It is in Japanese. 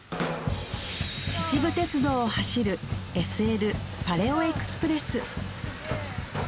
秩父鉄道を走るＳＬパレオエクスプレス